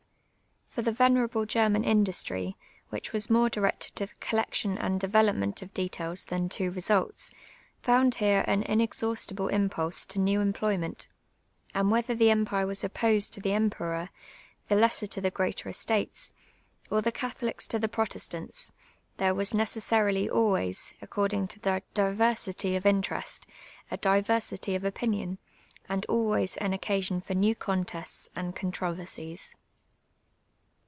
For the venerable German industiy, .vhieh was more directed to the collection and dtvelojHuent of k'tuils than to results, found here an inexhaustible impulse to u'W employment, and whetlur the emj)ire was opposed to the Iniperor, the lesser to the jp'eater estates, or tlie Catholics to Ik Protestants, there was necessarily always, according to the iiversity of interest, a diversity of opinion, and always an )e(asion for new contests and controversies.